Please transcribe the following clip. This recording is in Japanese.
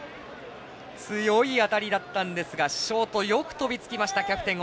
強い当たりだったんですがショート、よく飛びつきました。